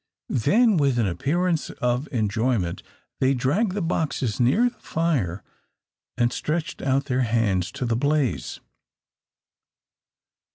Then, with an appearance of enjoyment, they dragged the boxes near the fire, and stretched out their hands to the blaze.